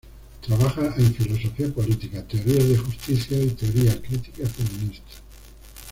Trabaja en Filosofía política, teorías de justicia y teoría crítica feminista.